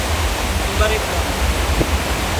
Ibaretama